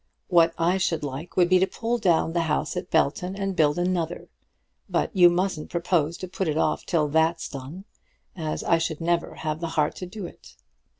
What I should like would be to pull down the house at Belton and build another. But you mustn't propose to put it off till that's done, as I should never have the heart to do it.